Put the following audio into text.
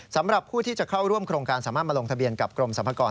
สำหรับผู้ที่จะเข้าร่วมโครงการสามารถมาลงทะเบียนกับกรมสรรพากร